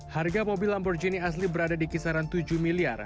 harga mobil lamborghini asli berada di kisaran tujuh miliar